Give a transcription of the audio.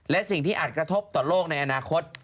และสิ่งที่อาจกระทบต่อโลกในอนาคต